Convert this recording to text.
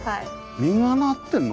実がなってるの？